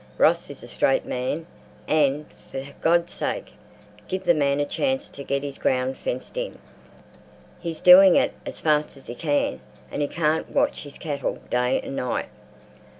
Ross is a straight man and—for God's sake, give the man a chance to get his ground fenced in; he's doing it as fast as he can, and he can't watch his cattle day and night."